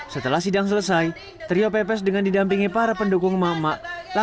setelah sidang selesai trio pepes dengan didampingi para pendukung mama